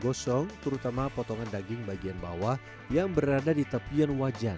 gosong terutama potongan daging bagian bawah yang berada di tepian wajan